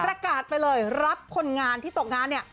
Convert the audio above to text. ประกาศไปเลยรับคนงานที่ตกงานเนี่ย